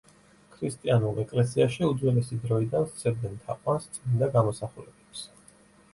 ქრისტიანულ ეკლესიაში უძველესი დროიდან სცემდნენ თაყვანს წმინდა გამოსახულებებს.